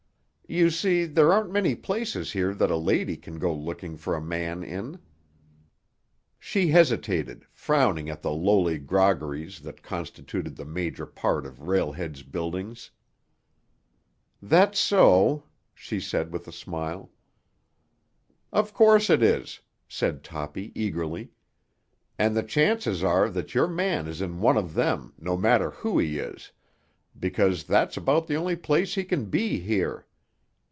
"You see, there aren't many places here that a lady can go looking for a man in." She hesitated, frowning at the lowly groggeries that constituted the major part of Rail Head's buildings. "That's so," she said with a smile. "Of course it is," said Toppy eagerly. "And the chances are that your man is in one of them, no matter who he is, because that's about the only place he can be here.